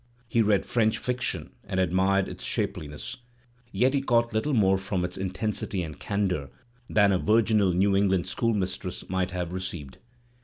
He read French fiction and admired its shapeliness, yet he caught little more from its intensity and candour than a virginal New Eng land schoolmistress might have received.